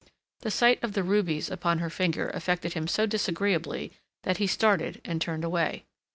The sight of the rubies upon her finger affected him so disagreeably that he started and turned away.